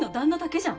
じゃん